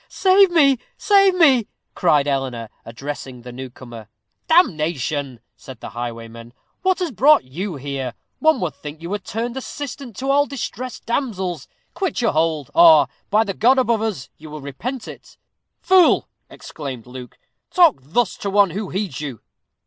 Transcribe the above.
"Save me! save me," cried Eleanor, addressing the new comer. "Damnation!" said the highwayman, "what has brought you here? one would think you were turned assistant to all distressed damsels. Quit your hold, or, by the God above us, you will repent it." "Fool!" exclaimed Luke, "talk thus to one who heeds you."